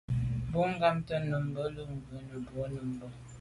Bo ghamt’é nummb’a lo ghù numebwô num bo.